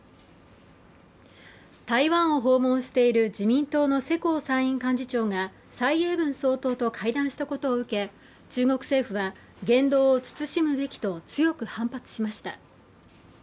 台湾を訪問している自民党の世耕参院幹事長が蔡英文総統と会談したことを受け中国政府は言動を慎むべきと強く反発しました。